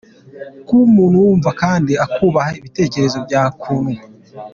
Kuba umuntu wumva kandi akubaha ibitekerezo bya Kundwa.